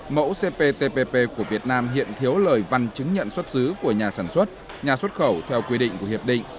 mẫu cptpp của việt nam hiện thiếu lời văn chứng nhận xuất xứ của nhà sản xuất nhà xuất khẩu theo quy định của hiệp định